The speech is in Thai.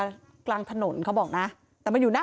สวัสดีคุณผู้ชายสวัสดีคุณผู้ชาย